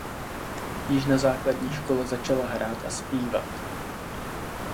Již na základní škole začala hrát a zpívat.